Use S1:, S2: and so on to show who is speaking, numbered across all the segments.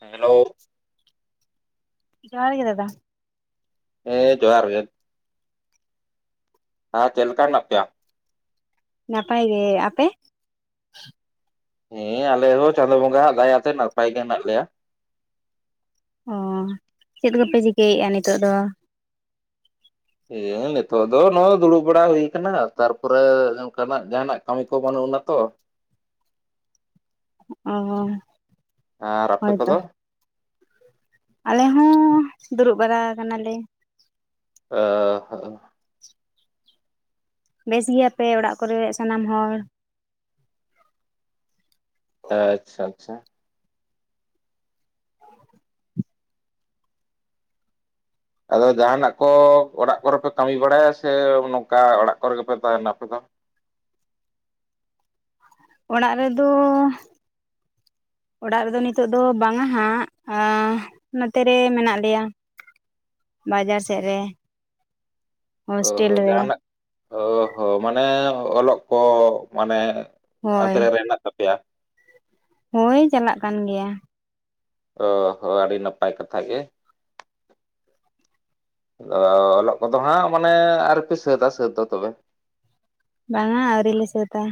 S1: Hello
S2: ᱡᱚᱦᱟᱨ ᱜᱮ ᱫᱟᱫᱟᱼᱼ
S1: ᱦᱮᱸ ᱡᱚᱦᱟᱨ ᱜᱮ ᱟᱨ ᱪᱮᱫ ᱞᱮᱠᱟ ᱦᱮᱱᱟᱜ ᱯᱮᱭᱟ?
S2: ᱱᱟᱯᱟᱭ ᱜᱮ, ᱟᱯᱮ?
S1: ᱦᱮᱸ ᱟᱞᱮ ᱦᱚᱸ ᱪᱟᱸᱫᱳ ᱵᱚᱸᱜᱟ ᱦᱟᱜ ᱫᱟᱭᱟᱛᱮ ᱱᱟᱯᱟᱭ ᱜᱮ ᱦᱮᱱᱟᱜ ᱞᱮᱭᱟ᱾
S2: ᱚᱻ ᱪᱮᱫ ᱠᱚᱯᱮ ᱪᱤᱠᱟᱹᱭᱮᱫ-ᱟ ᱱᱤᱛᱚᱜ ᱫᱚ?
S1: ᱦᱮᱸ ᱱᱤᱛᱚᱜ ᱫᱚ ᱱᱚᱣᱟ ᱫᱩᱲᱩᱵ ᱵᱟᱲᱟ ᱦᱩᱭ ᱟᱠᱟᱱᱟ ᱛᱟᱨᱯᱚᱨᱮ ᱚᱱᱠᱟᱱᱟᱜ ᱡᱟᱦᱱᱟᱜ ᱠᱟᱹᱢᱤ ᱠᱚ ᱵᱟᱹᱱᱩᱜ ᱟᱱᱟ ᱛᱚᱼᱼ
S2: ᱚᱻ
S1: ᱟᱨ ᱟᱯᱮ ᱠᱚᱫᱚ?
S2: ᱟᱞᱮ ᱦᱚᱸ ᱫᱩᱲᱩᱵ ᱵᱟᱲᱟ ᱟᱠᱟᱱᱟ ᱞᱮ᱾
S1: [unintelligible] ᱚ ᱦᱚ,
S2: ᱵᱮᱥ ᱜᱮᱭᱟᱯᱮ ᱚᱲᱟᱜ ᱠᱚᱨᱮ ᱥᱟᱱᱟᱢ ᱦᱚᱲ?
S1: ᱟᱪᱪᱷᱟ ᱟᱪᱪᱷᱟ ᱾ ᱟᱫᱚ ᱡᱟᱦᱟᱱᱟᱜ ᱠᱚ ᱚᱲᱟᱜ ᱠᱚᱨᱮ ᱯᱮ ᱠᱟᱹᱢᱤ ᱵᱟᱲᱟᱭᱟ ᱥᱮ ᱱᱚᱝᱠᱟ ᱚᱲᱟᱜ ᱠᱚᱨᱮ ᱜᱮᱯᱮ ᱛᱟᱦᱮᱱᱟ ᱟᱯᱮ ᱫᱚ?
S2: ᱚᱲᱟᱜ ᱨᱮᱫᱚᱼᱼ ᱚᱲᱟᱜ ᱨᱮᱫᱚ ᱱᱤᱛᱚᱜ ᱫᱚ ᱵᱟᱝᱟ ᱦᱟᱸᱜ ᱟᱸᱼᱼ ᱱᱚᱛᱮ ᱨᱮ ᱢᱮᱱᱟᱜ ᱞᱮᱭᱟ ᱵᱟᱡᱟᱨ ᱥᱮᱫ ᱨᱮᱼᱼ
S1: ᱚ ᱦᱚᱸ ᱡᱟᱦᱟᱱᱟᱜ ᱚ ᱦᱚᱸ ᱢᱟᱱᱮ ᱚᱞᱚᱜ ᱠᱚ ᱢᱟᱱᱮᱼᱼ
S2: ᱦᱳᱭ
S1: ᱟᱛᱨᱮ ᱨᱮ ᱦᱮᱱᱟᱜ ᱛᱟᱯᱮᱭᱟᱼᱼ
S2: ᱦᱳᱭ ᱪᱟᱞᱟᱜ ᱠᱟᱱ ᱜᱮᱭᱟ᱾
S1: ᱚ ᱦᱚ ᱟᱹᱰᱤ ᱱᱟᱯᱟᱭ ᱠᱟᱛᱷᱟ ᱜᱮ᱾
S2: [unintelligible]
S1: ᱟᱫᱚ ᱚᱞᱚᱜ ᱠᱚᱫᱚ ᱦᱟᱸᱜ ᱢᱟᱱᱮ ᱟᱣᱨᱤᱯᱮ ᱥᱟᱹᱛᱟ ᱥᱟᱹᱛ ᱫᱚ ᱛᱚᱵᱮ ᱾
S2: ᱵᱟᱝᱟ ᱟᱹᱣᱨᱤ ᱞᱮ ᱥᱟᱹᱛᱟ᱾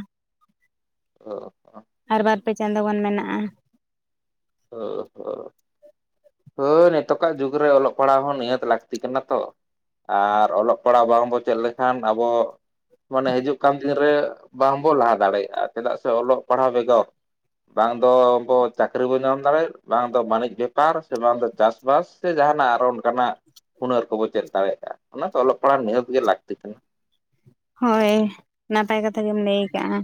S1: ᱦᱚ
S2: ᱟᱨ ᱵᱟᱨ ᱯᱮ ᱪᱟᱸᱫᱚ ᱜᱟᱱ ᱢᱮᱱᱟᱜ-ᱟ᱾
S1: ᱚ ᱦᱳᱭ ᱱᱤᱛᱚᱠᱟᱜ ᱡᱩᱜᱽ ᱨᱮ ᱚᱞᱚᱜ ᱯᱟᱲᱦᱟᱣ ᱦᱚᱸ ᱱᱤᱦᱟᱹᱛ ᱞᱟᱠᱛᱤ ᱠᱟᱱᱟ ᱛᱚ᱾ ᱟᱨ ᱚᱞᱚᱜ ᱯᱟᱲᱦᱟᱣ ᱵᱟᱝᱵᱚᱱ ᱪᱮᱫ ᱞᱮᱠᱷᱟᱱ ᱟᱵᱚ ᱢᱟᱱᱮ ᱦᱤᱡᱩᱜ ᱠᱟᱱ ᱫᱤᱱᱨᱮ ᱵᱟᱝ ᱵᱚ ᱞᱟᱦᱟ ᱫᱟᱲᱮᱭᱼᱟ ᱪᱮᱫᱟᱜ ᱥᱮ ᱚᱞᱚᱜ ᱯᱟᱲᱦᱟᱣ ᱵᱮᱜᱚᱨ ᱵᱟᱝ ᱫᱚ ᱵᱚ ᱪᱟᱹᱠᱨᱤ ᱵᱚᱱ ᱧᱟᱢ ᱫᱟᱲᱮᱭᱟᱜ ᱵᱟᱝ ᱫᱚ ᱵᱟᱹᱱᱤᱡᱽ ᱵᱮᱯᱟᱨ ᱵᱟᱝ ᱫᱚ ᱪᱟᱥ ᱵᱟᱥ ᱥᱮ ᱡᱟᱦᱟᱱᱟᱜ ᱟᱨᱚ ᱚᱱᱠᱟᱱᱟᱜ ᱦᱩᱱᱟᱹᱨ ᱠᱚᱵᱚ ᱪᱮᱫ ᱫᱟᱲᱮᱭᱟᱜᱼᱟ ᱚᱱᱟᱛᱮ ᱚᱞᱚᱜ ᱯᱟᱲᱦᱟᱜ ᱱᱤᱦᱟᱹᱛ ᱜᱮ ᱞᱟᱠᱛᱤ ᱠᱟᱱᱟ᱾
S2: ᱦᱳᱭ ᱱᱟᱯᱟᱭ ᱠᱟᱛᱷᱟ ᱜᱮᱢ ᱞᱟᱹᱭ ᱠᱟᱜᱼᱟ᱾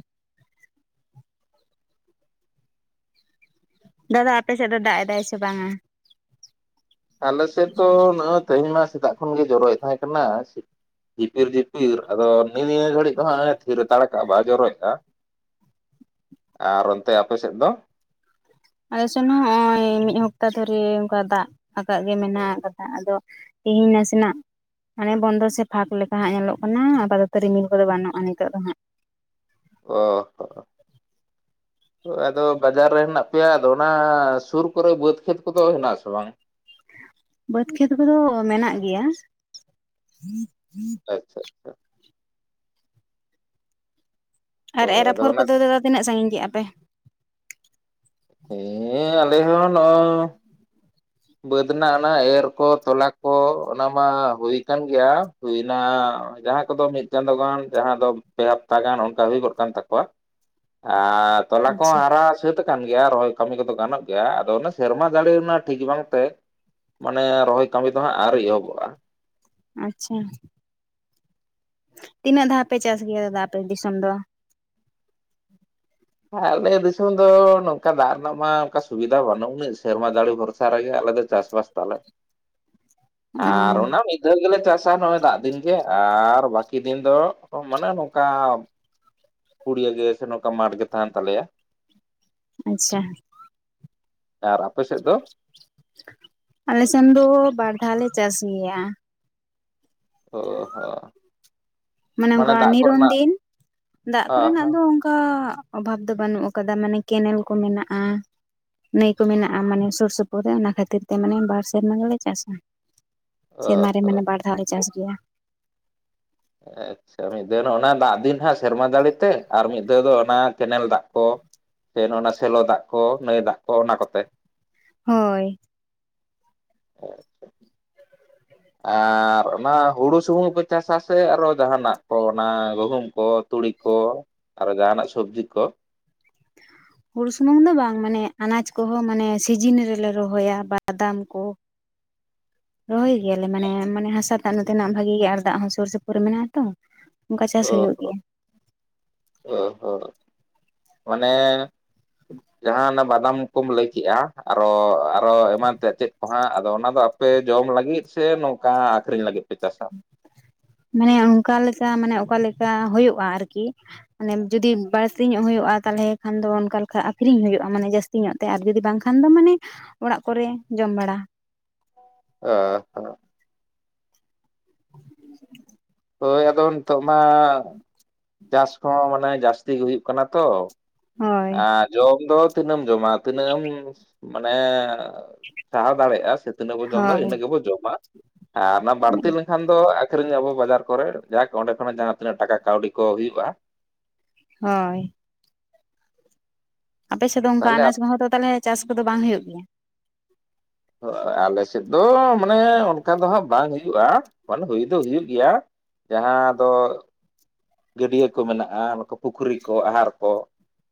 S2: ᱫᱟᱫᱟ ᱟᱯᱮ ᱥᱮᱫ ᱫᱚ ᱫᱟᱜ ᱮᱫᱟᱭ ᱥᱮ ᱵᱟᱝᱟ?
S1: ᱟᱞᱮ ᱥᱮᱫ ᱫᱚ ᱱᱚᱜ-ᱚᱭ ᱛᱮᱦᱮᱧ ᱱᱟ ᱥᱮᱛᱟᱜ ᱠᱷᱚᱱᱜᱮ ᱡᱚᱨᱚᱭᱮᱫ ᱛᱟᱦᱮᱸ ᱠᱟᱱᱟ᱾ ᱡᱷᱤᱯᱤᱨ ᱡᱷᱤᱯᱤᱨ ᱟᱫᱚ ᱱᱤ ᱱᱤᱭᱟᱹ ᱜᱷᱟᱹᱲᱤᱡ ᱫᱚ ᱦᱟᱸᱜ ᱮ ᱛᱷᱤᱨ ᱦᱟᱛᱟᱲ ᱠᱟᱜᱼᱟ ᱵᱟᱭ ᱡᱚᱨᱚᱭᱮᱫᱟ᱾ ᱟᱨ ᱚᱱᱛᱮ ᱟᱯᱮ ᱥᱮᱫ ᱫᱚ?
S2: ᱟᱞᱮ ᱥᱮᱱ ᱦᱚ ᱸ ᱦᱚᱜ-ᱚᱭ ᱢᱤᱫ ᱦᱚᱯᱛᱟ ᱫᱷᱚᱨᱮ ᱚᱝᱠᱟ ᱫᱟᱜ ᱟᱠᱟᱫ ᱜᱮ ᱢᱮᱱᱟᱜ ᱠᱟᱫᱟ ᱟᱫᱚ ᱛᱮᱦᱤᱧ ᱱᱟᱥᱮᱱᱟᱜ ᱢᱟᱱᱮ ᱵᱚᱱᱫᱚ ᱥᱮ ᱯᱷᱟᱸᱠ ᱞᱮᱠᱟ ᱦᱟᱸᱜ ᱧᱮᱞᱚᱜ ᱠᱟᱱᱟ ᱟᱯᱟᱛᱚᱛᱚ ᱨᱤᱢᱤᱞ ᱠᱚᱫᱚ ᱵᱟᱹᱱᱩᱜᱼᱟ ᱱᱤᱛᱳᱜ ᱫᱚ ᱦᱟᱸᱜ᱾
S1: ᱚ ᱦᱚᱸ ᱟᱫᱚ ᱵᱟᱡᱟᱨ ᱨᱮ ᱦᱮᱱᱟᱜ ᱯᱮᱭᱟ ᱟᱫᱚ ᱚᱱᱟ ᱥᱳᱨ ᱠᱚᱨᱮ ᱵᱟᱹᱫᱽ ᱠᱷᱮᱛ ᱠᱚᱫᱚ ᱦᱮᱱᱟᱜ ᱟᱥᱮ ᱵᱟᱝ?
S2: ᱵᱟᱹᱫᱽ ᱠᱷᱮᱛ ᱠᱚᱫᱚ ᱢᱮᱱᱟᱜ ᱜᱮᱭᱟ᱾
S1: ᱟᱪᱪᱷᱟ
S2: ᱟᱨ
S1: ᱦᱳᱭ
S2: ᱮᱨ
S1: ᱟᱫᱚ
S2: ᱟᱯᱷᱚᱨ
S1: ᱚᱱᱟ
S2: ᱠᱚᱫᱚ ᱫᱟᱫᱟ ᱛᱤᱱᱟᱹᱜ ᱥᱟᱸᱜᱤᱧ ᱠᱮᱜᱼᱟ ᱯᱮ?
S1: ᱦᱮ ᱟᱞᱮ ᱦᱚᱸ ᱱᱚᱜ-ᱚᱼᱼ ᱵᱟᱹᱫᱽ ᱨᱮᱱᱟᱜ ᱚᱱᱟ ᱮᱨ ᱠᱚ ᱛᱚᱞᱟ ᱠᱚ ᱚᱱᱟ ᱢᱟ ᱦᱩᱭ ᱠᱟᱱ ᱜᱮᱭᱟᱼᱼ ᱦᱩᱭᱱᱟ ᱡᱟᱦᱟᱸ ᱠᱚᱫᱚ ᱢᱤᱫ ᱪᱟᱸᱫᱳ ᱜᱟᱱ ᱡᱟᱦᱟᱸ ᱫᱚ ᱯᱮ ᱦᱟᱯᱛᱟ ᱜᱟᱱ ᱚᱱᱠᱟ ᱦᱩᱭ ᱜᱚᱫ ᱠᱟᱱ ᱛᱟᱠᱚᱣᱟ᱾ ᱟᱨᱼᱼ ᱛᱚᱞᱟ ᱠᱚᱦᱚᱸ
S2: ᱟᱪᱪᱷᱟ
S1: ᱦᱟᱨᱟ ᱥᱟᱹᱛ ᱠᱟᱱ ᱜᱮᱭᱟ ᱨᱚᱦᱚᱭ ᱠᱟᱹᱢᱤ ᱠᱚᱫᱚ ᱜᱟᱱᱚᱜ ᱜᱮᱭᱟ ᱟᱫᱚ ᱚᱱᱟ ᱥᱮᱨᱢᱟ ᱡᱟᱲᱤ ᱨᱮᱱᱟᱜ ᱴᱷᱤᱠ ᱵᱟᱝ ᱛᱮ ᱢᱟᱱᱮ ᱨᱚᱦᱚᱭ ᱠᱟᱢᱤ ᱫᱚ ᱦᱟᱸᱜ ᱟᱣᱨᱤ ᱮᱦᱚᱵᱚᱜᱼᱟ᱾
S2: ᱟᱪᱪᱷᱟ ᱛᱤᱱᱟᱹᱜ ᱫᱷᱟᱣ ᱯᱮ ᱪᱟᱥ ᱜᱮᱭᱟ ᱫᱟᱫᱟ ᱟᱯᱮ ᱫᱤᱥᱚᱢ ᱫᱚ?
S1: ᱟᱞᱮ ᱫᱤᱥᱚᱢ ᱫᱚ ᱱᱚᱝᱠᱟ ᱫᱟᱜ ᱨᱮᱱᱟᱜ ᱢᱟ ᱚᱱᱠᱟ ᱥᱩᱵᱤᱫᱷᱟ ᱵᱟᱹᱱᱩᱜ ᱩᱱᱟᱹᱜ ᱥᱮᱨᱢᱟ ᱡᱟᱲᱤ ᱵᱷᱚᱨᱥᱟ ᱨᱮᱜᱮ ᱟᱞᱮ ᱫᱚ ᱪᱟᱥ ᱵᱟᱥ ᱛᱟᱞᱮ
S2: ᱚ
S1: ᱟᱨ ᱚᱱᱟ ᱢᱤᱫᱼᱼ ᱰᱷᱮᱨ ᱜᱮᱞᱮ ᱪᱟᱥᱟ ᱱᱚᱜᱼᱚᱭ ᱫᱟᱜ ᱫᱤᱱ ᱜᱮ ᱟᱨ ᱵᱟᱹᱠᱤ ᱫᱤᱱ ᱫᱚ ᱢᱟᱱᱮ ᱱᱚᱝᱠᱟ ᱯᱩᱲᱤᱭᱟᱹ ᱜᱮ ᱥᱮ ᱱᱚᱝᱠᱟ ᱢᱟᱴᱷ ᱜᱮ ᱛᱟᱦᱮᱱ ᱛᱟᱞᱮᱭᱟ᱾
S2: ᱟᱪᱪᱷᱟ
S1: ᱟᱨ ᱟᱯᱮ ᱥᱮᱫ ᱫᱚ?
S2: ᱟᱞᱮ ᱥᱮᱱ ᱫᱚ ᱵᱟᱨ ᱫᱷᱟᱣ ᱞᱮ ᱪᱟᱥ ᱜᱮᱭᱟ᱾
S1: ᱦᱳ ᱦᱚᱸ
S2: ᱢᱟᱱᱮ ᱚᱝᱠᱟ
S1: ᱫᱟᱜ
S2: ᱱᱤᱨᱚᱱ
S1: ᱠᱚᱨᱮᱱᱟᱜ
S2: ᱫᱤᱱ ᱫᱟᱜ ᱠᱚᱨᱮᱱᱟᱜ ᱫᱚ ᱚᱱ ᱠᱟ ᱚᱵᱷᱟᱵ ᱫᱚ ᱵᱟᱹᱱᱩᱜ ᱠᱟᱫᱟ ᱢᱟᱱᱮ ᱠᱮᱱᱮᱞ ᱠᱚ ᱢᱮᱱᱟᱜᱼᱟ᱾ ᱱᱟᱹᱭ ᱠᱚ ᱢᱮᱱᱟᱜᱼᱟ ᱢᱟᱱᱮ ᱥᱩᱨ ᱥᱩᱯᱩᱨ ᱨᱮ ᱚᱱᱟ ᱠᱷᱟᱹᱛᱤᱨ ᱛᱮ ᱢᱟᱱᱮ ᱵᱟᱨ ᱥᱮᱨᱢᱟ ᱜᱮᱞᱮ ᱪᱟᱥᱟ᱾ ᱥᱮᱨᱢᱟ ᱨᱮ ᱢᱟᱱᱮ ᱵᱟᱨ ᱫᱷᱟᱣ ᱞᱮ ᱪᱟᱥ ᱜᱮᱭᱟ᱾
S1: [unintelligible] ᱥᱮ ᱢᱤᱫ ᱫᱷᱟᱣ ᱚᱱᱟ ᱫᱟᱜ ᱫᱤᱱ ᱦᱟᱸᱜ ᱥᱮᱨᱢᱟ ᱡᱟᱹᱲᱤᱛᱮ ᱟᱨ ᱢᱤᱫ ᱫᱷᱟᱣ ᱫᱚ ᱚᱱᱟ ᱠᱮᱱᱮᱞ ᱫᱟᱜ ᱠᱚ᱾ ᱚᱱᱟ ᱥᱮᱞᱚ ᱫᱟᱜ ᱠᱚ, ᱱᱟᱹᱭ ᱫᱟᱜ ᱠᱚ, ᱚᱱᱟ ᱠᱚᱛᱮ᱾
S2: ᱦᱳᱭ,
S1: ᱟᱨ ᱚᱱᱟ ᱦᱩᱲᱩ ᱥᱩᱢᱩᱝ ᱯᱮ ᱪᱟᱥᱟ ᱥᱮ ᱟᱨᱚ ᱡᱟᱦᱟᱱᱟᱜ ᱠᱚ ᱚᱱᱟ ᱜᱩᱦᱩᱢ ᱠᱚ ᱛᱩᱲᱤ ᱠᱚ ᱟᱨ ᱡᱟᱦᱟᱱᱟᱜ ᱥᱚᱵᱽᱡᱤ ᱠᱚ᱾
S2: ᱦᱩᱲᱩ ᱥᱩᱢᱩᱝ ᱫᱚ ᱵᱟᱝ ᱢᱟᱱᱮ ᱟᱱᱟᱡᱽ ᱠᱚᱦᱚᱸ ᱢᱟᱱᱮ ᱥᱤᱡᱤᱱ ᱨᱮᱞᱮ ᱨᱚᱦᱚᱭᱟ ᱵᱟᱫᱟᱢ ᱠᱚ᱾
S1: [inaudible]
S2: ᱨᱚᱦᱚᱭ ᱜᱮᱭᱟᱞᱮ ᱢᱟᱱᱮ ᱢᱟᱱᱮ ᱦᱟᱥᱟ ᱛᱟᱜ ᱱᱚᱛᱮᱱᱟᱜ ᱵᱷᱟᱜᱤ ᱜᱮᱭᱟ ᱟᱨ ᱫᱟᱜ ᱦᱚᱸ ᱥᱩᱨ ᱥᱩᱯᱩᱨ ᱨᱮ ᱢᱮᱱᱟᱜᱼᱟ ᱛᱚ᱾ ᱚᱱᱠᱟ
S1: ᱚ
S2: ᱪᱟᱥ ᱦᱳᱭᱳᱜ ᱜᱮᱭᱟ᱾
S1: ᱚ ᱦᱚ ᱢᱟᱱᱮ ᱡᱟᱦᱟ ᱚᱱᱟ ᱵᱟᱫᱟᱢ ᱠᱚᱢ ᱞᱟᱹᱭ ᱠᱮᱫᱼᱟ, ᱟᱨᱚ ᱟᱨᱚ ᱮᱢᱟᱱ ᱛᱮ ᱪᱮᱫ ᱫᱚ ᱦᱟᱸᱜ ᱟᱫᱚ ᱚᱱᱟ ᱫᱚ ᱟᱯᱮ ᱡᱚᱢ ᱞᱟᱹᱜᱤᱫ ᱥᱮ ᱱᱚᱝᱠᱟ ᱟᱠᱷᱨᱤᱧ ᱞᱟᱹᱜᱤᱫ ᱯᱮ ᱪᱟᱥᱟ?
S2: ᱢᱟᱱᱮ ᱚᱱᱠᱟ ᱞᱮᱠᱟ ᱢᱟᱱᱮ ᱚᱠᱟᱞᱮᱠᱟ ᱦᱳᱭᱳᱜᱼᱟ ᱟᱨᱠᱤ᱾ ᱢᱟᱱᱮ ᱡᱩᱫᱤ ᱵᱟᱹᱲᱛᱤ ᱧᱚᱜ ᱦᱳᱭᱳᱜᱼᱟ ᱛᱟᱦᱚᱞᱮ ᱠᱷᱟᱱ ᱫᱚ ᱚᱱᱠᱟ ᱞᱮᱠᱟ ᱟᱠᱷᱨᱤᱧ ᱦᱳᱭᱳᱜᱼᱟ ᱢᱟᱱᱮ ᱡᱟᱹᱥ ᱛᱤ ᱧᱚᱜ ᱛᱮ ᱟᱨ ᱡᱩᱫᱤ ᱵᱟᱝ ᱠᱷᱟᱱ ᱫᱚ ᱢᱟᱱᱮ ᱚᱲᱟᱜ ᱠᱚᱨᱮ ᱡᱚᱢ ᱵᱟᱲᱟ᱾
S1: ᱟᱻ ᱦᱳᱭ ᱟᱫᱚ ᱱᱤᱛᱚᱜ ᱢᱟ ᱪᱟᱥ ᱠᱚᱦᱚᱸ ᱢᱟᱱᱮ ᱡᱟᱹᱥᱛᱤ ᱜᱮ ᱦᱩᱭᱩᱜ ᱠᱟᱱᱟ ᱛᱚ᱾
S2: ᱦᱳᱭ
S1: ᱦᱮᱸ ᱡᱚᱢ ᱫᱚ ᱛᱤᱱᱟᱹᱢ ᱡᱚᱢᱟ ᱛᱤᱱᱟᱹᱢ ᱢᱟᱱᱮ ᱥᱟᱦᱟᱣ ᱫᱟᱲᱮᱭᱟᱜᱼᱟ ᱥᱮ ᱛᱤᱱᱟᱹᱜ ᱵᱚᱱ ᱡᱚᱢ ᱫᱟ
S2: ᱦᱳᱭ
S1: ᱤᱱᱟᱹᱜ ᱜᱮᱵᱚ ᱡᱚᱢᱟ᱾ ᱟᱨ ᱚᱱᱟ ᱵᱟᱹᱲᱛᱤ ᱞᱮ ᱮᱱᱠᱷᱟᱱ ᱫᱚ ᱟᱹᱠᱷᱨᱤᱧ ᱟᱵᱚ ᱵᱟᱡᱟᱨ ᱠᱚᱨᱮ ᱡᱟᱠ ᱚᱸᱰᱮ ᱠᱷᱚᱱᱟᱜ ᱡᱟᱦᱟᱸ ᱛᱤᱱᱟᱹᱜ ᱴᱟᱠᱟ ᱠᱟᱹᱣᱰᱤ ᱠᱚ ᱦᱩᱭᱩᱜᱼᱟ᱾
S2: ᱦᱳᱭ, ᱟᱯᱮᱥᱮᱫ ᱫᱚ ᱚᱱᱠᱟ
S1: ᱛᱟᱦᱚᱞᱮ
S2: ᱟᱱᱟᱡᱽ ᱠᱚᱦᱚᱸ ᱛᱚ ᱛᱟᱦᱚᱞᱮ ᱪᱟᱥ ᱠᱚᱫᱚ ᱵᱟᱝ ᱦᱩᱭᱩᱜ ᱜᱮᱭᱟ?
S1: ᱟᱞᱮ ᱥᱮᱫ ᱫᱚ ᱢᱟᱱᱮ ᱚᱱᱠᱟ ᱫᱚ ᱦᱟᱸᱜ ᱵᱟᱝ ᱦᱩᱭᱩᱜᱼᱟ, ᱢᱟᱱᱮ ᱦᱩᱭ ᱫᱚ ᱦᱩᱭᱩᱜ ᱜᱮᱭᱟ᱾ ᱡᱟᱦᱟᱸ ᱫᱚ ᱜᱟᱹᱰᱭᱟᱹ ᱠᱚ ᱢᱮᱱᱟᱜᱼᱟ, ᱵᱟᱠᱚ ᱯᱩᱠᱷᱨᱤ ᱠᱚ, ᱟᱦᱟᱨ ᱠᱚ,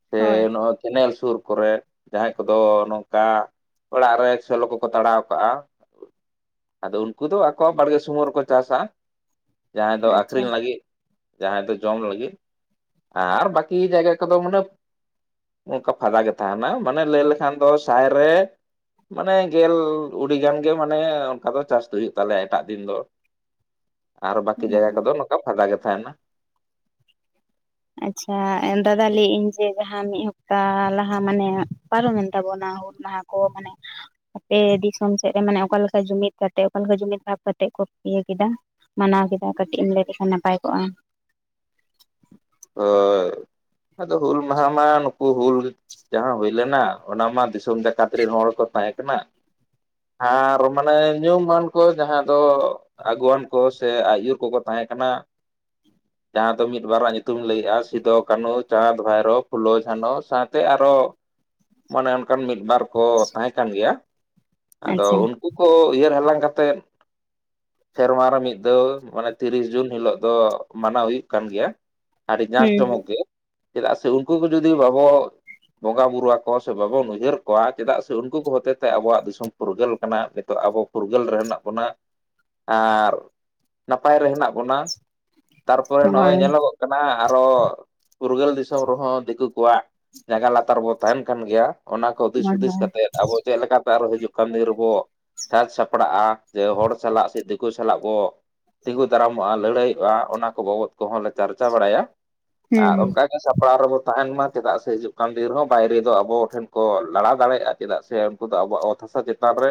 S1: ᱥᱮ
S2: ᱦᱳᱭ
S1: ᱱᱚᱣᱟ ᱠᱮᱱᱮᱞ ᱥᱩᱨ ᱠᱚᱨᱮ᱾ ᱡᱟᱦᱟᱸᱭ ᱠᱚᱫᱚ ᱱᱚᱝᱠᱟ ᱚᱲᱟᱜ ᱨᱮ ᱥᱮᱞᱚ ᱠᱚᱠᱚ ᱛᱟᱲᱟᱣ ᱠᱟᱜ-ᱟ᱾ ᱟᱫᱚ ᱩᱱᱠᱩ ᱫᱚ ᱟᱠᱚ-ᱟ ᱵᱟᱲᱜᱮ ᱥᱩᱢᱚᱦᱚ ᱨᱮᱠᱚ ᱪᱟᱥᱟ, ᱡᱟᱦᱟᱸᱭ ᱫᱚ
S2: ᱟᱪᱪᱷᱟ
S1: ᱟᱠᱷᱨᱤᱧ ᱞᱟᱹᱜᱤᱫ᱾ ᱡᱟᱦᱟᱸᱭ ᱫᱚ ᱡᱚᱢ ᱞᱟᱹᱜᱤᱫ, ᱟᱨ ᱵᱟᱠᱤ ᱡᱟᱭᱜᱟ ᱠᱚᱫᱚ ᱢᱟᱱᱮ ᱚᱱᱠᱟ ᱯᱷᱟᱫᱟ ᱜᱮ ᱛᱟᱦᱮᱸᱱᱟ ᱢᱟᱱᱮ ᱞᱟᱹᱭ ᱞᱮᱠᱷᱟᱱ ᱫᱚ ᱥᱟᱭ ᱨᱮ ᱢᱟᱱᱮ ᱜᱮᱞ ᱩᱰᱤ ᱜᱟᱱ ᱜᱮ ᱢᱟᱱᱮ ᱚᱱᱠᱟ ᱫᱚ ᱪᱟᱥ ᱫᱚ ᱦᱩᱭᱩᱜ ᱛᱟᱞᱮᱭᱟ ᱮᱴᱟᱜ ᱫᱤᱱ ᱫᱚ᱾ ᱟᱨ ᱵᱟᱠᱤ ᱡᱟᱭᱜᱟ ᱠᱚᱫᱚ ᱱᱟᱝᱠᱟ ᱯᱷᱟᱫᱟ ᱜᱮ ᱛᱟᱦᱮᱸᱱᱟ᱾
S2: ᱟᱪᱪᱷᱟ ᱫᱟᱫᱟ ᱞᱟᱹᱭ ᱤᱧ ᱡᱮ ᱡᱟᱦᱟᱸ ᱢᱤᱫ ᱦᱟᱯᱛᱟ ᱞᱟᱦᱟ ᱢᱟᱱᱮ, ᱯᱟᱨᱚᱢᱮᱱ ᱛᱟᱵᱚᱱᱟ᱾ ᱢᱟᱦᱟ ᱠᱚ ᱢᱟᱱᱮ ᱟᱯᱮ ᱫᱤᱥᱚᱢ ᱥᱮᱫ ᱨᱮ ᱢᱟᱱᱮ ᱚᱠᱟᱞᱮᱠᱟ ᱡᱩᱢᱤᱫ ᱠᱟᱛᱮᱜ ᱚᱠᱟᱞᱮᱠᱟ ᱡᱩᱢᱤᱫ ᱵᱷᱟᱵᱽ ᱠᱟᱛᱮᱫ ᱠᱚ ᱤᱭᱟᱹ ᱠᱮᱫᱟ᱾ ᱢᱟᱱᱟᱣ ᱠᱮᱫᱟ ᱠᱟᱹᱴᱤᱡ ᱮᱢ ᱞᱟᱹᱭ ᱞᱮᱠᱷᱟᱱ ᱱᱟᱯᱟᱭ ᱠᱚᱜᱼᱟ?
S1: ᱦᱳᱭ, ᱟᱫᱚ ᱦᱩᱞ ᱢᱟᱦᱟ ᱢᱟ ᱱᱩᱠᱩ ᱦᱩᱞ ᱡᱟᱦᱟᱸ ᱦᱩᱭ ᱞᱮᱱᱟ ᱚᱱᱟ ᱢᱟ ᱫᱤᱥᱚᱢ ᱡᱟᱠᱟᱛ ᱨᱮᱱ ᱦᱚᱲ ᱠᱚ ᱛᱟᱦᱮᱸ ᱠᱟᱱᱟ᱾ ᱟᱨ ᱢᱟᱱᱮ ᱧᱩᱢ-ᱢᱟᱹᱱ ᱠᱚ ᱡᱟᱦᱟᱸ ᱫᱚ ᱟᱹᱜᱩᱣᱟᱱ ᱠᱚ ᱥᱮ ᱟᱹᱭᱩ ᱠᱚᱠᱚ ᱛᱟᱦᱮᱸ ᱠᱟᱱᱟ᱾ ᱡᱟᱦᱟᱸ ᱫᱚ ᱢᱤᱫ ᱵᱟᱨᱟ ᱧᱩᱛᱩ ᱧᱩᱛᱩᱢ ᱞᱟᱹᱭᱮᱜᱼᱟ ᱥᱤᱫᱚ, ᱠᱟᱹᱱᱦᱩ, ᱪᱟᱸᱫᱽ, ᱵᱷᱟᱭᱨᱳ, ᱯᱷᱩᱞᱳ, ᱡᱷᱟᱱᱚ ᱥᱟᱶᱛᱮ ᱟᱨᱚ ᱢᱟᱱᱮ ᱚᱱᱠᱟᱱ ᱢᱤᱫ-ᱵᱟᱨ ᱠᱚ ᱛᱟᱦᱮᱸ ᱠᱟᱱ ᱜᱮᱭᱟ, ᱟᱫᱚ
S2: ᱟᱪᱪᱷᱟ
S1: ᱩᱱ ᱩᱱᱠᱩ ᱠᱚ ᱩᱭᱦᱟᱹᱨ ᱦᱟᱞᱟᱝ ᱠᱟᱛᱮᱫ ᱥᱮᱨᱢᱟ ᱨᱮ ᱢᱤᱫ ᱫᱷᱟᱣ, ᱢᱟᱱᱮ ᱛᱤᱨᱤᱥ ᱡᱩᱱ ᱦᱤᱞᱳᱜ ᱫᱚ ᱢᱟᱱᱟᱣ ᱦᱩᱭᱩᱜ ᱠᱟᱱ ᱜᱮᱭᱟ᱾ ᱟᱹᱰᱤ ᱡᱟᱸᱠ
S2: ᱦᱩᱸ
S1: ᱡᱚᱢᱚᱠ
S2: ᱦᱩᱸ
S1: ᱜᱮ, ᱪᱮᱫᱟᱜ ᱥᱮ ᱩᱱᱠᱩ ᱠᱚ ᱡᱩᱫᱤ ᱵᱟᱵᱚ ᱵᱚᱸᱜᱟ ᱵᱳᱩᱨᱩ ᱟᱠᱚᱭᱟ ᱥᱮ ᱵᱟᱵᱚᱱ ᱩᱭᱦᱟᱹᱨ ᱟᱠᱟᱭ ᱠᱚᱣᱟ, ᱪᱮᱫᱟᱜ ᱥᱮ ᱩᱱᱠᱩ ᱠᱚ ᱦᱚᱛᱮᱛᱮ ᱟᱵᱚᱣᱟᱜ ᱫᱤᱥᱚᱢ ᱯᱩᱨᱜᱟᱹᱞ ᱠᱟᱱᱟ ᱱᱤᱛᱚᱜ ᱟᱵᱚ ᱯᱷᱩᱨᱜᱟᱹᱞ ᱨᱮᱱ ᱟᱵᱚᱱᱟᱜ, ᱟᱨ ᱱᱟᱯᱟᱭ ᱨᱮ ᱦᱮᱱᱟᱜ ᱵᱚᱱᱟ᱾ ᱛᱟᱨᱯᱚᱨᱮ ᱱᱚᱜᱼᱚᱭ
S2: ᱦᱳᱭ
S1: ᱧᱮᱞᱚᱜᱚᱜ ᱠᱟᱱᱟ ᱟᱨᱚᱦ ᱯᱷᱩᱨᱜᱟᱹᱞ ᱫᱤᱥᱚᱢ ᱨᱮᱦᱚᱸ ᱫᱤᱠᱩ ᱠᱩᱣᱟᱜ ᱡᱟᱜᱟ ᱞᱟᱛᱟᱨ ᱵᱚ ᱛᱟᱦᱮᱱ ᱠᱟᱱ ᱜᱮᱭᱟ, ᱚᱱᱟ ᱠᱚ ᱫᱤᱥ
S2: ᱦᱳᱭ
S1: ᱦᱩᱫᱤᱥ
S2: ᱦᱳᱭ
S1: ᱠᱟᱛᱮᱫ ᱟᱵᱚ ᱪᱮᱫ ᱞᱮᱠᱟᱛᱮ ᱟᱨᱚ ᱦᱤᱡᱩᱜ ᱠᱟᱹᱱ ᱫᱤ ᱨᱮ ᱵᱚ ᱥᱟᱛ ᱥᱟᱯᱲᱟᱜ-ᱟ ᱡᱮ ᱦᱚᱲ ᱥᱟᱞᱟᱜ ᱥᱮ ᱫᱮᱠᱳ ᱥᱟᱞᱟᱜ ᱵᱚ ᱛᱤᱸᱜᱩ ᱫᱟᱨᱟᱢᱚᱜ-ᱟ, ᱞᱟᱹᱲᱦᱟᱹᱭᱚᱜ-ᱟ ᱚᱱᱟ ᱠᱚ ᱵᱟᱵᱚᱫ ᱠᱚᱦᱚᱸ ᱞᱮ ᱪᱟᱨᱪᱟ ᱵᱟᱲᱟᱭᱟ
S2: ᱦᱩᱸ
S1: ᱟᱨ
S2: ᱦᱩᱸ
S1: ᱚᱱᱠᱟᱜᱮ ᱥᱟᱯ ᱚᱲᱟᱜ ᱨᱮᱵᱚ ᱛᱟᱦᱮᱱ ᱢᱟ, ᱪᱮᱫᱟᱜ ᱥᱮ ᱦᱤᱡᱩᱜ ᱠᱟᱱ ᱫᱤᱱ ᱨᱮᱦᱚ ᱵᱟᱭᱨᱮ ᱫᱚ ᱟᱵᱚ ᱴᱷᱮᱱ ᱠᱚ ᱞᱟᱲᱟᱣ ᱫᱟᱲᱮᱭᱟᱜ-ᱟ, ᱪᱮᱫᱟᱜ ᱥᱮ ᱠᱩ ᱫᱚ ᱟᱵᱚᱣᱟᱜ ᱚᱛ ᱦᱟᱥᱟ ᱪᱮᱛᱟᱱ ᱨᱮ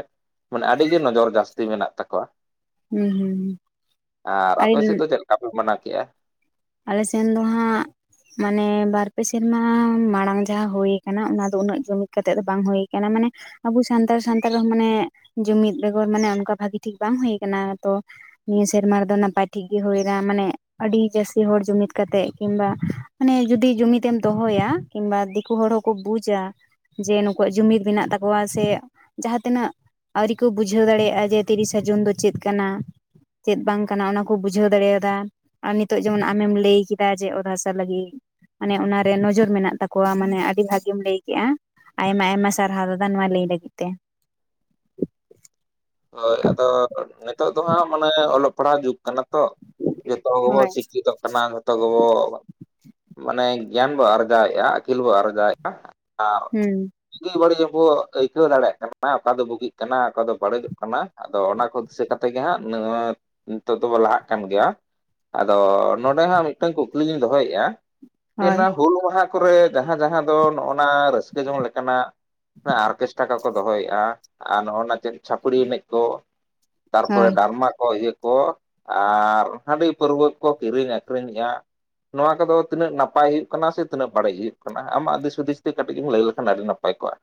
S1: ᱢᱟᱱᱮ ᱟᱹᱰᱤᱜᱮ ᱱᱚᱡᱚᱨ ᱡᱟᱹᱥᱛᱤ ᱢᱮᱱᱟᱜ ᱛᱟᱠᱚᱣᱟ᱾
S2: ᱦᱩᱸ
S1: ᱟᱨ ᱟᱯᱮ ᱥᱮᱫ
S2: ᱦᱩᱸ
S1: ᱫᱚ ᱪᱮᱫᱞᱮᱠᱟ ᱯᱮ ᱢᱟᱱᱟᱣ ᱠᱮᱜ-ᱟ?
S2: ᱟᱞᱮ ᱥᱮᱱ ᱫᱚ ᱦᱟᱸᱜ ᱢᱟᱱᱮ ᱵᱟᱨ ᱯᱮ ᱥᱮᱨᱢᱟ ᱢᱟᱲᱟᱝ ᱡᱟᱦᱟᱸ ᱦᱳᱭ ᱠᱟᱱᱟ ᱚᱱᱟ ᱫᱚ ᱩᱱᱟᱹᱜ ᱡᱚᱢᱤᱜ ᱠᱟᱛᱮᱜ ᱫᱚ ᱵᱟᱝ ᱦᱳᱭ ᱠᱟᱱᱟ ᱢᱟᱱᱮ ᱟᱵᱚ ᱥᱟᱱᱛᱟᱲ ᱥᱟᱱᱛᱟᱲ ᱨᱮᱦᱚᱸ ᱢᱟᱱᱮ ᱡᱩᱢᱤᱫ ᱵᱮᱜᱚᱨ ᱢᱟᱱᱮ ᱚᱱᱠᱟ ᱵᱷᱟᱹᱜᱤ ᱴᱷᱤᱠ ᱵᱟᱝ ᱦᱩᱭ ᱠᱟᱱᱟ ᱛᱚ ᱱᱤᱭᱟᱹ ᱥᱮᱨᱢᱟ ᱨᱮᱫᱚ ᱱᱟᱯᱟᱭ ᱴᱷᱤᱠ ᱜᱮ ᱦᱩᱭᱱᱟ ᱢᱟᱱᱮ ᱟᱹᱰᱤ ᱡᱟᱹᱥ ᱤ ᱦᱚᱲ ᱡᱩᱢᱤᱫᱽ ᱠᱟᱛᱮᱫ ᱠᱤᱝᱵᱟ ᱢᱟᱱᱮ ᱡᱩᱫᱤ ᱡᱩᱢᱤᱫ ᱮᱢ ᱫᱚᱦᱚᱭᱟ ᱠᱤᱝᱵᱟ ᱫᱤᱠᱩ ᱦᱚᱲ ᱦᱚᱸᱠᱚ ᱵᱩᱡᱟ᱾ ᱡᱮ ᱱᱩᱠᱩᱣᱟᱜ ᱡᱩᱢᱤᱫ ᱢᱮᱱᱟᱜ ᱛᱟᱠᱚᱣᱟ ᱥᱮ ᱡᱟᱦᱟᱸ ᱛᱤᱱᱟᱹᱜ ᱟᱹᱣᱨᱤ ᱠᱩ ᱵᱩᱡᱷᱟᱹᱣ ᱫᱟᱲᱮᱭᱟᱜ-ᱟ, ᱡᱮ ᱛᱤᱨᱤᱥᱟ ᱡᱩᱱ ᱫᱚ ᱪᱤᱫ ᱠᱟᱱᱟ? ᱪᱮᱫ ᱵᱟᱝ ᱠᱟᱱᱟ ᱚᱱᱟ ᱠᱚ ᱵᱩᱡᱷᱟᱹᱣ ᱫᱟᱲᱮᱭᱟᱫᱟ ᱟᱨ ᱱᱤᱛᱳᱜ ᱡᱮᱢᱚᱱ ᱟᱢᱮᱢ ᱞᱟᱹᱭ ᱠᱤᱫᱟ ᱡᱮ ᱚᱛ ᱦᱟᱥᱟ ᱞᱟᱹᱜᱤᱜ᱾ ᱢᱟᱱᱮ ᱚᱱᱟ ᱨᱮ ᱱᱚᱡᱚᱨ ᱢᱮᱱᱟᱜ ᱛᱟᱠᱚᱣᱟ ᱢᱟᱱᱮ ᱟᱹᱰᱤ ᱵᱷᱟᱹᱜᱤᱢ ᱞᱟᱹᱭ ᱠᱮᱜ-ᱟ᱾ ᱟᱭᱢᱟ ᱟᱭᱢᱟ ᱥᱟᱨᱦᱟᱣ ᱫᱟᱫᱟ ᱱᱚᱣᱟ ᱞᱟᱹᱭ ᱞᱟᱹᱜᱤᱫ ᱛᱮ᱾
S1: ᱦᱚᱭ ᱟᱫᱚ ᱱᱤᱛᱚᱜ ᱫᱚ ᱦᱟᱸᱜ ᱢᱟᱱᱮ ᱚᱞᱚᱜ ᱯᱟᱲᱦᱟᱣ ᱡᱩᱜᱽ ᱠᱟᱱᱟ᱾ ᱛᱚ ᱡᱚᱛᱚ ᱜᱮᱵᱚ
S2: ᱦᱳᱭ
S1: ᱥᱤᱠᱠᱷᱤᱛᱚ ᱠᱟᱱᱟ ᱡᱷᱚᱛᱚ ᱜᱮᱵᱚ, ᱢᱟᱱᱮ ᱜᱮᱭᱟᱱ ᱵᱚ ᱟᱨᱡᱟᱣᱮᱜ-ᱟ ᱟᱹᱠᱤᱞ ᱵᱚ ᱟᱨᱡᱟᱣᱮᱜ-ᱟ᱾ ᱟᱨ
S2: ᱦᱩᱸ
S1: ᱵᱩᱜᱤ ᱵᱟᱹᱲᱤᱡ ᱦᱚᱸᱵᱚ ᱟᱹᱭᱠᱟᱹᱣ ᱫᱟᱲᱮᱭᱟᱜ ᱠᱟᱱᱟ, ᱚᱠᱟ ᱫᱚ ᱵᱩᱜᱤᱜ ᱠᱟᱱᱟ? ᱚᱠᱟ ᱫᱚ ᱵᱟᱹᱲᱤᱡᱚᱜ ᱠᱟᱱᱟ ᱟᱫᱚ ᱚᱱᱟ ᱠᱚ ᱫᱤᱥᱟᱹ ᱠᱟᱛᱮ ᱜᱮ ᱦᱟᱸᱜ ᱱᱟᱹᱭᱟᱹᱛ ᱱᱤᱛᱚᱜ ᱫᱚᱵᱚ ᱞᱟᱦᱟᱜ ᱠᱟᱱ ᱜᱮᱭᱟ᱾ ᱟᱫᱚ ᱱᱚᱰᱮ ᱦᱟᱸᱜ ᱢᱤᱫᱴᱟᱝ ᱠᱩᱠᱞᱤᱞᱤᱧ ᱫᱚᱦᱚᱭᱮᱜ-ᱟ
S2: ᱦᱳᱭ
S1: ᱯᱮᱱᱟᱝ ᱦᱩᱞ ᱢᱟᱦᱟ ᱠᱚᱨᱮ ᱡᱟᱦᱟᱸ ᱡᱟᱦᱟᱸ ᱫᱚ ᱱᱚᱜ-ᱱᱟ ᱨᱟᱹᱥᱠᱟᱹ ᱡᱚᱝ ᱞᱮᱠᱟᱱᱟᱜ ᱟᱨᱠᱮᱥᱴᱟᱠᱟ ᱠᱚ ᱫᱚᱦᱚᱭᱮᱜ-ᱟ ᱟᱨ ᱱᱚᱜ-ᱚ ᱱᱟ ᱪᱮᱫ ᱪᱷᱟᱹᱯᱨᱤ ᱮᱱᱮᱡ ᱠᱚ ᱛᱟᱨᱯᱚᱨᱮ
S2: ᱦᱳᱭ
S1: ᱰᱟᱨᱢᱟ ᱠᱚ ᱤᱭᱟᱹ ᱠᱚ ᱟᱨ ᱦᱟᱺᱰᱤ ᱯᱟᱹᱨᱣᱟᱹ ᱠᱚ ᱠᱤᱨᱤᱧ ᱟᱹᱠᱷᱨᱤᱧᱮᱜ-ᱟ᱾ ᱱᱚᱣᱟ ᱠᱚᱫᱚ ᱛᱤᱱᱟᱹᱜ ᱱᱟᱯᱟᱭ ᱦᱩᱭᱩᱜ ᱠᱟᱱᱟ ᱥᱮ ᱛᱤᱱᱟᱹᱜ ᱵᱟᱹᱲᱤᱡ ᱦᱩᱭᱩᱜ ᱠᱟᱱᱟ ᱟᱢᱟᱜ ᱫᱤᱥ ᱦᱩᱫᱤᱥ ᱛᱮ ᱠᱟᱹᱴᱤᱡ ᱮᱢ ᱞᱟᱹᱭ ᱞᱮᱠᱷᱟᱱ ᱟᱹᱰᱤ ᱱᱟᱯᱟᱭ ᱠᱚᱜ-ᱟ᱾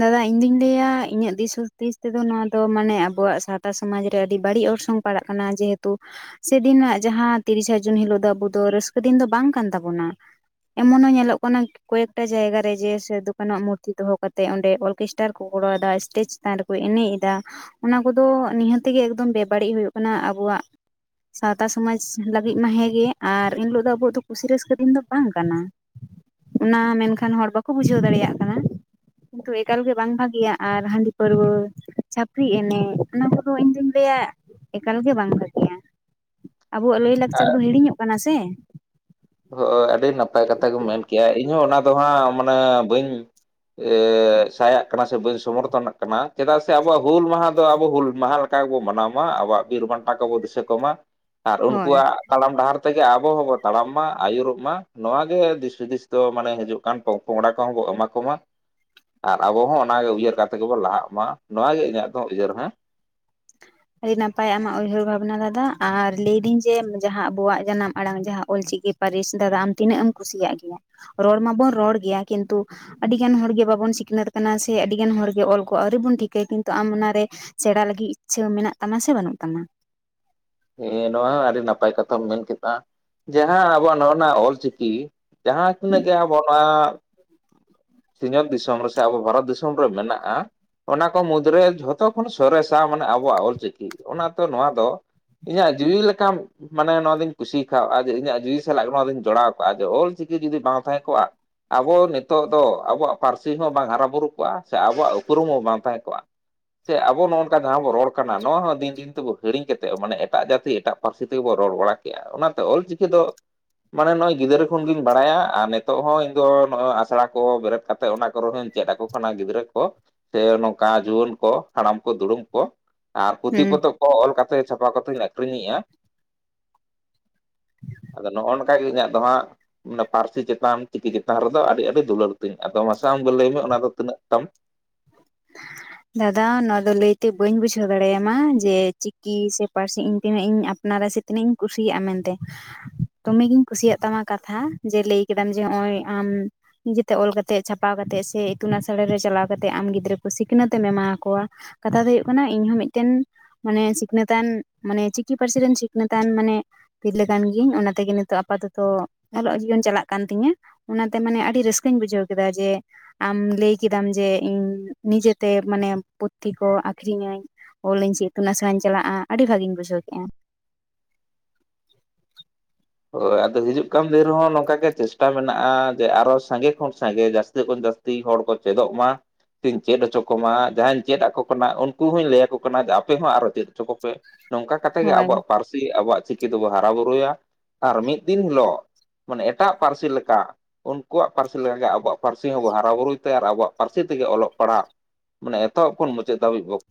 S2: ᱫᱟᱫᱟ ᱤᱧ ᱫᱩᱧ ᱞᱟᱹᱭᱟ ᱤᱧᱟᱹᱜ ᱫᱤᱥ ᱦᱩᱫᱤᱥ ᱛᱮᱫᱚ ᱱᱚᱣᱟ ᱫᱚ ᱢᱟᱱᱮ ᱟᱵᱚᱣᱟᱜ ᱥᱟᱶᱛᱟ ᱥᱚᱢᱟᱡᱽ ᱨᱮ ᱟᱹᱰᱤ ᱵᱟᱹᱲᱤᱜ ᱚᱨᱥᱚᱝ ᱯᱟᱲᱟᱜ ᱠᱟᱱᱟ ᱡᱮᱦᱮᱛᱩ ᱥᱮᱫᱤᱱᱟᱜ ᱡᱟᱦᱟᱸ ᱛᱤᱨᱤᱥᱟ ᱡᱩᱱ ᱦᱤᱞᱳᱜ ᱫᱚ ᱟᱵᱚ ᱫᱚ ᱨᱟᱹᱥᱠᱟᱹ ᱫᱤᱱ ᱫᱚ ᱵᱟᱝ ᱠᱟᱱ ᱛᱟᱵᱚᱱᱟ ᱾ ᱮᱢᱚᱱ ᱦᱚᱸ ᱧᱮᱞᱚᱜ ᱠᱟᱱᱟ ᱠᱚᱭᱮᱠᱴᱟ ᱡᱟᱭᱜᱟ ᱨᱮ ᱡᱮ ᱥᱮᱫᱚᱠᱟᱱᱚᱟᱜ ᱢᱩᱨᱛᱤ ᱫᱚᱦᱚ ᱠᱟᱛ ᱛᱮ ᱚᱸᱰᱮ ᱚᱞᱠᱮᱥᱴᱟᱨ ᱠᱚ ᱜᱚᱨᱟᱣ ᱫᱟ ᱮᱥᱴᱮᱡ ᱪᱮᱛᱟᱱ ᱨᱮᱠᱚ ᱮᱱᱮᱜ ᱮᱫᱟ ᱾ ᱚᱱᱟ ᱠᱚᱫᱚ ᱱᱤᱦᱟᱹᱛᱮᱜᱮ ᱮᱠᱫᱚᱢ ᱵᱮᱵᱟᱹᱲᱤᱡ ᱦᱩᱭᱩᱜ ᱠᱟᱱᱟ ᱟᱵᱚᱣᱟᱜ ᱾ ᱥᱟᱣᱛᱟ ᱥᱚᱢᱟᱡᱽ ᱞᱟᱹᱜᱤᱫ ᱢᱟ ᱦᱮᱸᱜᱮ ᱟᱨ ᱮᱱᱦᱤᱞᱳᱜ ᱫᱚ ᱟᱵᱚᱣᱟᱜ ᱫᱚ ᱠᱩᱥᱤ ᱨᱟᱹᱥᱠᱟᱹ ᱫᱤᱱ ᱫᱚ ᱵᱟᱝ ᱠᱟᱱᱟ᱾ ᱚᱱᱟ ᱢᱮᱱᱠᱷᱟᱱ ᱦᱚᱲ ᱵᱟᱠᱚ ᱵᱩᱡᱷᱟᱹᱣ ᱫᱟᱲᱮᱭᱟᱜ ᱠᱟᱱᱟ᱾ ᱠᱤᱱᱛᱩ ᱮᱠᱟᱞ ᱜᱮ ᱵᱟᱝ ᱵᱷᱟᱜᱮᱭᱟ ᱟᱨ ᱦᱟᱺᱰᱤ ᱯᱟᱹᱨᱣᱟᱹ ᱪᱷᱟᱹᱯᱨᱤ ᱮᱱᱮᱜ ᱚᱱᱟ ᱠᱚᱫᱚ ᱤᱧᱫᱩᱧ ᱞᱟᱹᱭᱟ ᱮᱠᱟᱞ ᱜᱮ ᱵᱟᱝ ᱵᱷᱟᱹᱜᱮᱭᱟ᱾ ᱟᱵᱚᱣᱟᱜ ᱞᱟᱹᱭ ᱞᱟᱠᱪᱟᱨ ᱫᱚ ᱦᱤᱲᱤᱧᱚᱜ ᱠᱟᱱᱟ ᱥᱮ ᱾
S1: ᱦᱳ ᱚ ᱟᱹᱰᱤ ᱱᱟᱯᱟᱭ ᱠᱟᱛᱷᱟ ᱜᱮᱢ ᱢᱮᱱ ᱠᱮᱜ-ᱟ ᱤᱧᱦᱚ ᱚᱱᱟ ᱫᱚ ᱦᱟᱸᱜ ᱢᱟᱱᱮ ᱵᱟᱹᱧ ᱮ ᱥᱟᱭᱟᱜ ᱠᱟᱱᱟ ᱥᱮ ᱵᱟᱹᱧ ᱥᱚᱢᱚᱨᱛᱷᱚᱱᱟᱜ ᱠᱟᱱᱟ, ᱪᱮᱫᱟᱜ ᱥᱮ ᱟᱵᱚᱣᱟᱜ ᱦᱩᱞ ᱢᱟᱦᱟ ᱫᱚ ᱟᱵᱚ ᱦᱩᱞ ᱢᱟᱦᱟ ᱞᱮ ᱚᱱᱠᱟ ᱜᱮᱵᱚ ᱢᱟᱱᱟᱣ ᱢᱟ ᱟᱵᱚᱣᱟᱜ ᱵᱤᱨ ᱵᱟᱱᱴᱟ ᱠᱚᱵᱚ ᱫᱤᱥᱟᱹ ᱠᱚᱢᱟ ᱾ ᱟᱨ
S2: ᱦᱳᱭ
S1: ᱩᱱᱠᱩᱣᱟᱜ ᱛᱟᱲᱟᱢ ᱰᱟᱦᱟᱨ ᱛᱮᱜᱮ ᱟᱵᱚ ᱦᱚᱸᱵᱚ ᱛᱟᱲᱟᱢ ᱢᱟ᱾ ᱟᱹᱭᱩᱨᱚᱜ ᱢᱟ ᱱᱚᱣᱟ ᱜᱮ ᱫᱤᱥ ᱦᱩᱫᱤᱥ ᱫᱚ ᱢᱟᱱᱮ ᱦᱤᱡᱩᱜ ᱠᱟᱱ ᱯᱚᱜ-ᱯᱚᱸᱜᱲᱟ ᱠᱚᱦᱚᱸ ᱵᱚ ᱮᱢᱟ ᱠᱚ ᱢᱟ᱾ ᱟᱨ ᱟᱵᱚ ᱦᱚᱸ ᱚᱱᱟᱜᱮ ᱩᱭᱦᱟᱹᱨ ᱠᱟᱛᱮ ᱜᱮᱵᱚ ᱞᱟᱦᱟᱜ ᱢᱟ ᱱᱚᱣᱟ ᱜᱮ ᱤᱧᱟᱹᱜ ᱫᱚ ᱩᱭᱦᱟᱹᱨ ᱦᱮᱸ ᱾
S2: ᱟᱹᱰᱤ ᱱᱟᱯᱟᱭ ᱟᱢᱟᱜ ᱩᱭᱦᱟᱹᱨ ᱵᱷᱟᱵᱽᱱᱟ ᱫᱟᱫᱟ ᱟᱨ ᱞᱟᱹᱭᱫᱟᱹᱧ ᱡᱮ ᱡᱟᱦᱟᱸ ᱟᱵᱚᱣᱟᱜ ᱡᱟᱱᱟᱢ ᱟᱲᱟᱝ ᱡᱟᱦᱟᱸ ᱚᱞᱪᱤᱠᱤ ᱯᱟᱹᱨᱤᱥ ᱫᱟᱫᱟ ᱟᱢ ᱛᱤᱱᱟᱹᱜ ᱮᱢ ᱠᱩᱥᱤᱭᱟᱜ ᱜᱮᱭᱟ? ᱨᱚᱲ ᱢᱟᱵᱚᱱ ᱨᱚᱲ ᱜᱮᱭᱟ ᱠᱤᱱᱛᱩ ᱟᱹᱰᱤᱜᱟᱱ ᱦᱚᱲᱜᱮ ᱵᱟᱵᱚᱱ ᱥᱤᱠᱷᱱᱟᱹᱛ ᱠᱟᱱᱟ ᱥᱮ ᱟᱹᱰᱤᱜᱟᱱ ᱦᱚᱲᱜᱮ ᱚᱞ ᱠᱚ ᱟᱹᱣᱨᱤ ᱵᱚᱱ ᱴᱷᱤᱠᱟᱹᱭ ᱠᱤᱱᱛᱩ ᱟᱢ ᱚᱱᱟᱨᱮ ᱥᱮᱬᱟ ᱞᱟᱹᱜᱤᱫ ᱤᱪᱪᱷᱟᱹ ᱢᱮᱱᱟᱜ ᱛᱟᱢᱟ ᱥᱮ ᱵᱟᱹᱱᱩᱜ ᱛᱟᱢᱟ ᱾
S1: ᱦᱮᱸ ᱱᱚᱣᱟ ᱦᱚᱸ ᱟᱹᱰᱤ ᱱᱟᱯᱟᱭ ᱠᱟᱛᱷᱟᱢ ᱢᱮᱱ ᱠᱮᱫᱟ ᱡᱟᱦᱟᱸ ᱟᱵᱚᱣᱟᱜ ᱱᱚᱜᱼᱚ ᱱᱟ ᱚᱞᱪᱤᱠᱤ ᱡᱟᱦᱟᱸ ᱛᱤᱱᱟᱹᱜ ᱜᱮ ᱟᱢ ᱚᱱᱟ ᱥᱤᱧᱚᱛ ᱫᱤᱥᱚᱢ ᱨᱮ ᱥᱮ ᱟᱵᱚ ᱵᱷᱟᱨᱚᱛ ᱫᱤᱥᱚᱢ ᱨᱮ ᱢᱮᱱᱟᱜᱼᱟ ᱾ ᱚᱱᱟ ᱠᱚ ᱢᱩᱫᱽᱨᱮ ᱡᱷᱚᱛᱚ ᱠᱷᱚᱱ ᱥᱚᱨᱮᱥᱟ ᱢᱟᱱᱮ ᱟᱵᱚᱣᱟᱜ ᱚᱞᱪᱤᱠᱤ ᱾ ᱚᱱᱟᱛᱮ ᱱᱚᱣᱟ ᱫᱚ ᱤᱧᱟᱜ ᱡᱤᱣᱤ ᱞᱮᱠᱟᱢ ᱢᱟᱱᱮ ᱱᱚᱣᱟ ᱫᱩᱧ ᱠᱩᱥᱤᱭ ᱠᱟᱣᱼᱟ ᱡᱮ ᱤᱧᱟᱜ ᱡᱩᱣᱤ ᱥᱟᱞᱟᱜ ᱱᱚᱣᱟ ᱫᱩᱧ ᱡᱚᱲᱟᱣ ᱠᱟᱜᱼᱟ ᱡᱮ ᱚᱞ ᱪᱤᱠᱤ ᱡᱩᱫᱤ ᱵᱟᱝ ᱛᱟᱦᱮᱸ ᱠᱚᱜᱼᱟ ᱾ ᱟᱵᱚ ᱱᱤᱛᱚᱜ ᱫᱚ ᱟᱵᱚᱣᱟᱜ ᱯᱟᱹᱨᱥᱤ ᱦᱚᱸ ᱵᱟᱝ ᱦᱟᱨᱟᱼ ᱵᱩᱨᱩ ᱠᱚᱜᱼᱟ ᱥᱮ ᱟᱵᱚᱣᱟᱜ ᱩᱯᱨᱩᱢ ᱦᱚᱸ ᱵᱟᱝ ᱛᱟᱦᱮᱸ ᱠᱚᱜᱼᱟ ᱾ ᱥᱮ ᱟᱵᱚ ᱱᱚᱝᱠᱟ ᱡᱟᱦᱟᱸ ᱵᱚᱱ ᱨᱚᱲ ᱠᱟᱱᱟ ᱱᱚᱣᱟ ᱦᱚᱸ ᱫᱤᱱ ᱫᱤᱱ ᱛᱮ ᱵᱚ ᱦᱤᱲᱤᱧ ᱠᱟᱛᱮᱫ ᱢᱟᱱᱮ ᱮᱴᱟᱜ ᱡᱟᱹᱛᱤ ᱮᱴᱟᱜ ᱯᱟᱹᱨᱥᱤ ᱛᱮᱜᱮ ᱵᱚᱱ ᱨᱚᱲ ᱵᱟᱲᱟ ᱠᱮᱜᱼᱟ ᱚᱱᱟᱛᱮ ᱚᱞ ᱪᱤᱠᱤ ᱫᱚ ᱢᱟᱱᱮ ᱱᱚᱜᱼᱚᱭ ᱜᱤᱫᱽᱨᱟᱹ ᱠᱷᱚᱱᱜᱤᱧ ᱵᱟᱲᱟᱭᱟ ᱟᱨ ᱱᱤᱛᱚᱜ ᱦᱚᱸ ᱤᱧ ᱫᱚ ᱱᱚᱜᱼᱚᱭ ᱟᱥᱲᱟ ᱠᱚ ᱵᱮᱨᱮᱫ ᱠᱟᱛᱮ ᱚᱱᱟ ᱠᱚᱨᱮᱦᱚᱧ ᱪᱮᱫ ᱟᱠᱚ ᱾ ᱠᱷᱚᱱᱟ ᱜᱤᱫᱽᱨᱟᱹ ᱠᱚ ᱥᱮ ᱱᱚᱝᱠᱟ ᱡᱩᱣᱟᱹᱱ ᱠᱚ ᱦᱟᱲᱟᱢ ᱠᱚ ᱫᱩᱲᱩᱢ ᱠᱚ ᱾ ᱟᱨ ᱯᱩᱛᱷᱤ
S2: ᱦᱩᱸ
S1: ᱯᱚᱛᱚᱵ ᱠᱚᱦᱚ ᱚᱞ ᱠᱟᱛᱮ ᱪᱷᱟᱯᱟ ᱠᱟᱛᱮᱧ ᱟᱠᱷᱨᱤᱧ ᱮᱜ-ᱟ ᱾ ᱟᱫᱚ ᱱᱚᱜᱼᱚ ᱱᱝᱠᱟ ᱜᱮ ᱤᱧᱟᱜ ᱫᱚ ᱦᱟᱸᱜ ᱾ ᱢᱟᱱᱮ ᱯᱟᱹᱨᱥᱤ ᱪᱮᱛᱟᱱ ᱪᱤᱠᱤ ᱪᱮᱛᱟᱱ ᱨᱮᱫᱚ ᱟᱹᱰᱤ ᱟᱹᱰᱤ ᱫᱩᱞᱟᱹᱲ ᱛᱤᱧ ᱟᱫᱚ ᱢᱟᱥᱮ ᱟᱢ ᱜᱮ ᱞᱟᱹᱭ ᱢᱮ ᱚᱱᱟ ᱫᱚ ᱛᱤᱱᱟᱹᱜ ᱛᱟᱢ ᱾ [inaudible]
S2: ᱫᱟᱫᱟ ᱱᱚᱣᱟ ᱫᱚ ᱞᱟᱹᱭ ᱛᱮ ᱵᱟᱹᱧ ᱵᱩᱡᱷᱟᱹᱣ ᱫᱟᱲᱮᱭᱟᱢᱟ ᱡᱮ ᱪᱤᱠᱤ ᱥᱮ ᱯᱟᱹᱨᱥᱤ ᱤᱧ ᱛᱤᱱᱟᱹᱜ ᱤᱧ ᱟᱯᱱᱟᱨᱟ ᱥᱮ ᱛᱤᱱᱟᱹᱜ ᱤᱧ ᱠᱩᱥᱤᱭᱟᱜᱼᱟ ᱢᱮᱱᱛᱮ ᱾ ᱫᱚᱢᱮ ᱜᱤᱧ ᱠᱩᱥᱤᱭᱟᱜ ᱛᱟᱢᱟ ᱠᱟᱛᱷᱟ ᱡᱮ ᱞᱟᱹᱭ ᱠᱮᱫᱟᱢ ᱡᱮ ᱦᱚᱜᱼᱚᱭ ᱟᱢ ᱱᱤᱡᱮ ᱛᱮ ᱚᱞ ᱠᱟᱛᱮᱜ ᱪᱷᱟᱯᱟᱣ ᱠᱟᱛᱮᱜ ᱥᱮ ᱤᱛᱩᱱ ᱟᱥᱲᱟ ᱨᱮ ᱪᱟᱞᱟᱣ ᱠᱟᱛᱮ ᱟᱢ ᱜᱤᱫᱽᱨᱟᱹ ᱠᱚ ᱥᱤᱠᱷᱱᱟᱹᱛ ᱮᱢ ᱮᱢᱟ ᱠᱚᱣᱟ ᱠᱟᱛᱷᱟ ᱫᱚ ᱦᱩᱭᱩᱜ ᱠᱟᱱᱟ ᱤᱧ ᱦᱚᱸ ᱢᱤᱫ ᱴᱮᱱ ᱢᱟᱱᱮ ᱥᱤᱠᱷᱱᱟᱹᱛᱟᱱ ᱢᱟᱱᱮ ᱪᱤᱠᱤ ᱯᱟᱹᱨᱥᱤ ᱨᱮᱱ ᱥᱤᱠᱷᱱᱟᱹᱛᱟᱱ ᱢᱟᱱᱮ ᱛᱤᱨᱞᱟᱹ ᱠᱟᱱ ᱜᱤᱭᱟᱹᱧ ᱚᱱᱟ ᱛᱮᱜᱮ ᱱᱤᱛᱚᱜ ᱟᱯᱟᱛᱚᱛᱚ ᱚᱞᱚᱜ ᱡᱤᱭᱚᱱ ᱪᱟᱞᱟᱜ ᱠᱟᱱ ᱛᱤᱧᱟᱹ ᱾ ᱚᱱᱟᱛᱮ ᱢᱟᱱᱮ ᱟᱹᱰᱤ ᱨᱟᱹᱥᱠᱟᱹᱧ ᱵᱩᱡᱷᱟᱹᱣ ᱠᱮᱫᱟ ᱡᱮ ᱟᱢ ᱞᱟᱹᱭ ᱠᱮᱫᱟᱢ ᱡᱮ ᱤᱧ ᱱᱤᱡᱮ ᱛᱮ ᱢᱟᱱᱮ ᱯᱩᱛᱷᱤ ᱠᱚ ᱟᱹᱠᱷᱨᱤᱧ ᱤᱧ ᱾ ᱚᱞ ᱤᱧ ᱥᱤ ᱤᱛᱩᱱ ᱟᱥᱲᱟᱧ ᱪᱟᱞᱟᱜᱼᱟ ᱟᱹᱰᱤ ᱵᱷᱟᱹᱜᱤᱧ ᱵᱩᱡᱷᱟᱹᱣ ᱠᱮᱜᱼᱟ ᱾
S1: ᱦᱳᱭ ᱟᱫᱚ ᱦᱤᱡᱩᱜ ᱠᱟᱱ ᱫᱤᱱ ᱨᱮᱦᱚᱸ ᱱᱚᱝᱠᱟ ᱜᱮ ᱪᱮᱥᱴᱟ ᱢᱮᱱᱟᱜᱼᱟ ᱡᱮ ᱟᱨᱚ ᱥᱟᱸᱜᱮ ᱠᱷᱚᱱ ᱥᱟᱸᱜᱮ ᱡᱟᱹᱥᱛᱤ ᱠᱷᱚᱱ ᱡᱟᱹᱥ ᱛᱤ ᱦᱚᱲ ᱠᱚ ᱪᱮᱫᱚᱜ ᱢᱟ ᱾ ᱛᱤᱧ ᱪᱮᱫ ᱦᱚᱪᱚ ᱠᱚᱢᱟ ᱡᱟᱦᱟᱧ ᱪᱮᱫ ᱟᱠᱚ ᱠᱟᱱᱟ ᱩᱱᱠᱩ ᱦᱚᱸᱧ ᱞᱟᱹᱭ ᱟᱠᱚ ᱠᱟᱱᱟ ᱡᱮ ᱟᱯᱮ ᱦᱚᱸ ᱟᱨᱚ ᱪᱮᱫ ᱦᱚᱪᱚ ᱠᱚᱯᱮ ᱾ ᱱᱚᱝᱠᱟ ᱠᱟᱛᱮ ᱜᱮ
S2: ᱦᱳᱭ
S1: ᱟᱵᱚᱣᱟᱜ ᱯᱟᱹᱨᱥᱤ ᱟᱵᱚᱣᱟᱜ ᱪᱤᱠᱤ ᱫᱚᱵᱚ ᱦᱟᱨᱟ ᱵᱩᱨᱩᱭᱟ ᱾ ᱟᱨ ᱢᱤᱫ ᱫᱤᱱ ᱦᱤᱞᱳᱜ ᱢᱟᱱᱮ ᱮᱴᱟᱜ ᱯᱟᱹᱨᱥᱤ ᱞᱮᱠᱟ ᱾ ᱩᱱᱠᱩᱣᱟᱜ ᱯᱟᱹᱨᱥᱤ ᱞᱮᱠᱟ ᱜᱮ ᱟᱵᱚᱣᱟᱜ ᱯᱟᱹᱨᱥᱤ ᱦᱚᱸ ᱵᱚ ᱦᱟᱨᱟ ᱵᱩᱨᱩᱭ ᱛᱮ ᱟᱨ ᱟᱵᱚᱣᱟᱜ ᱯᱟᱹᱨᱥᱤ ᱛᱮᱜᱮ ᱚᱞᱚᱜ ᱯᱟᱲᱦᱟᱜ ᱢᱟᱱᱮ ᱮᱛᱚᱦᱚᱵ ᱠᱷᱚᱱ ᱢᱩᱪᱟᱹᱫ ᱫᱷᱟᱹᱵᱤᱡ ᱵᱚ